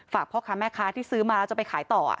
พ่อค้าแม่ค้าที่ซื้อมาแล้วจะไปขายต่อ